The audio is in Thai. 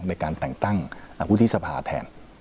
ในการแต่งตั้งวุฒิสภาแทน